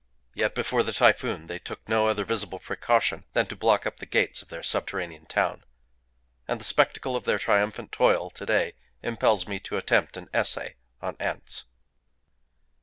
Yet, before the typhoon, they took no other visible precaution than to block up the gates of their subterranean town. And the spectacle of their triumphant toil to day impels me to attempt an essay on Ants.